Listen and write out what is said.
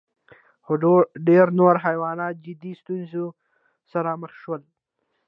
خو ډېر نور حیوانات جدي ستونزو سره مخ شول.